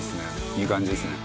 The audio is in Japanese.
いい感じですね。